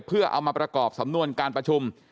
เพื่อเอามาประกอบสำนวนการประชุม